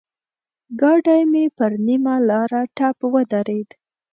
ګاډی مې پر نيمه لاره ټپ ودرېد.